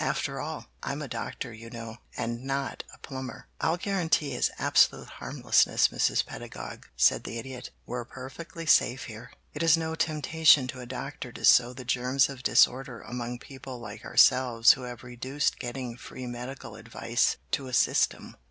"After all, I'm a doctor, you know, and not a plumber." "I'll guarantee his absolute harmlessness, Mrs. Pedagog," said the Idiot. "We're perfectly safe here. It is no temptation to a doctor to sow the germs of disorder among people like ourselves who have reduced getting free medical advice to a system."